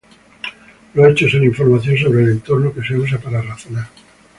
Los hechos son información sobre el entorno que se usa para razonar.